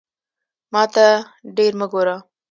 ماته ډیر مه ګوره